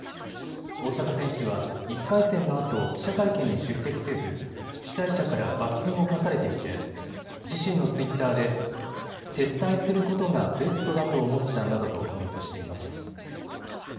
大坂選手は１回戦のあと記者会見に出席せず主催者から罰金を科されていて自身のツイッターで撤退することがベストだと思ったなどとコメントしています。